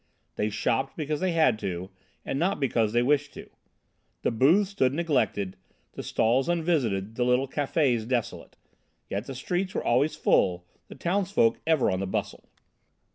They shopped because they had to, and not because they wished to. The booths stood neglected, the stalls unvisited, the little cafés desolate. Yet the streets were always full, the townsfolk ever on the bustle.